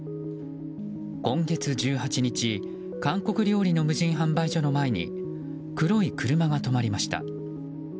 今月１８日韓国料理の無人販売所の前に黒い車が止まりました。